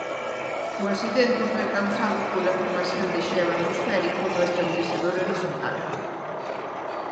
O accidente foi causado pola formación de xeo atmosférico no estabilizador horizontal.